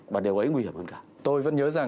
và điều ấy nguy hiểm hơn cả tôi vẫn nhớ rằng